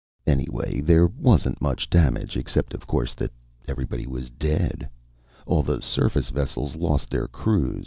Anyway, there wasn't much damage, except of course that everybody was dead. All the surface vessels lost their crews.